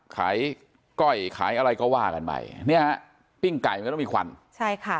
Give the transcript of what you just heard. ก้อยขายอะไรก็ว่ากันไปเนี่ยฮะปิ้งไก่มันก็ต้องมีควันใช่ค่ะ